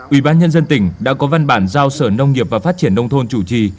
ủy ban nhân dân tỉnh đã có văn bản giao sở nông nghiệp và phát triển nông thôn chủ trì